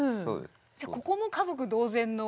じゃここも家族同然の。